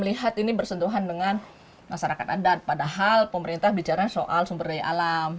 lihat ini bersentuhan dengan masyarakat adat padahal pemerintah bicara soal sumber daya alam